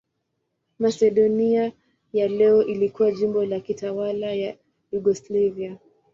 Masedonia ya leo ilikuwa jimbo la kujitawala la Yugoslavia.